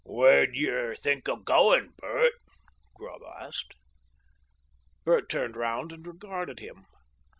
"Where d'you think of going, Bert?" Grubb asked. Bert turned round and regarded him.